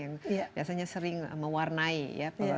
yang biasanya sering mewarnai ya